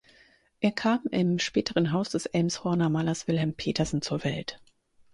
Er kam im späteren Haus des Elmshorner Malers Wilhelm Petersen zur Welt.